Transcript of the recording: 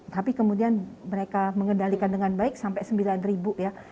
tapi kemudian mereka mengendalikan dengan baik sampai sembilan ribu ya